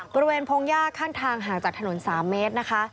บริเวณพงศ์ยากข้างทางห่างจากถนน๓เมตรนะคะ